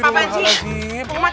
buka lepas lepas